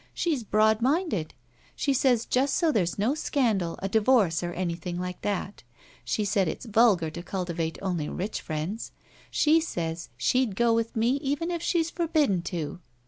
She's broad minded. She says just so there's no scandal, a divorce, or anything like that. She said it's vulgar to cultivate only rich friends. She says she'd go with me even if she's forbidden to."